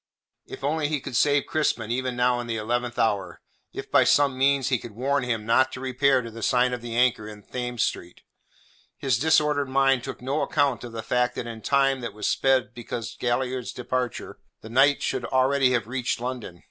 If only he could save Crispin even now in the eleventh hour; if by some means he could warn him not to repair to the sign of the Anchor in Thames Street. His disordered mind took no account of the fact that in the time that was sped since Galliard's departure, the knight should already have reached London.